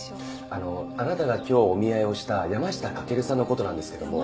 あのあなたが今日お見合いをした山下駆さんの事なんですけども。